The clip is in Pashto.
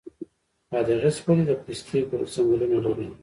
بادغیس ولې د پستې ځنګلونه لري؟